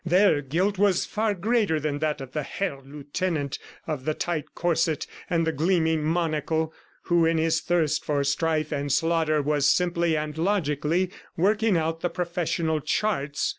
Their guilt was far greater than that of the Herr Lieutenant of the tight corset and the gleaming monocle, who in his thirst for strife and slaughter was simply and logically working out the professional charts.